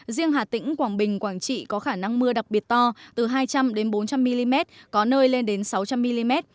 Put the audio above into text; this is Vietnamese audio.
riêng hà tĩnh quảng bình quảng trị có khả năng mưa đặc biệt to từ hai trăm linh bốn trăm linh mm có nơi lên đến sáu trăm linh mm